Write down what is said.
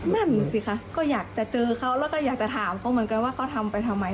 นั่นสิคะก็อยากจะเจอเขาแล้วก็อยากจะถามเขาเหมือนกันว่าเขาทำไปทำไม